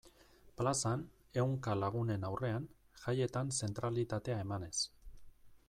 Plazan, ehunka lagunen aurrean, jaietan zentralitatea emanez.